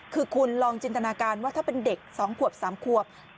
คือคุณลองจินตนาการว่าถ้าเป็นเด็ก๒ขวบ๓ขวบ